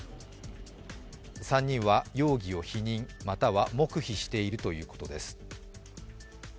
３人は容疑を否認、または黙秘しているということです。